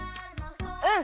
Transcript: うん！